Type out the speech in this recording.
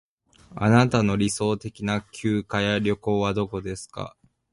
あなたの理想的な休暇や旅行はどこですか？